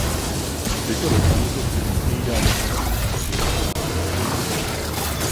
Tyto rozmanitosti nesmějí dát zapomenout na společné a trvalé rysy.